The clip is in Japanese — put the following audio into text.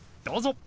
どうぞ！